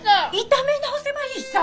炒め直せばいいさ！